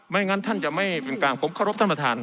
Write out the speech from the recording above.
งั้นท่านจะไม่เป็นกลางผมเคารพท่านประธาน